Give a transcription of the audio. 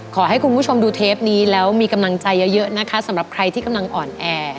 ขอให้คุณผู้ชมดูเทปนี้แล้วมีกำลังใจเยอะนะคะสำหรับใครที่กำลังอ่อนแอ